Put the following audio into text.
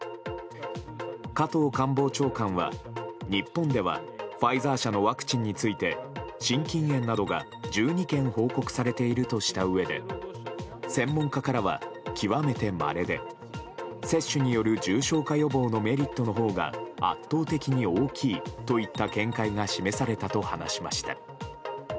加藤官房長官は、日本ではファイザー社のワクチンについて心筋炎などが１２件報告されているとしたうえで専門家からは極めてまれで接種による重症化予防のメリットのほうが圧倒的に大きいといった見解が示されたと話しました。